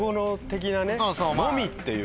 「のみ」っていう。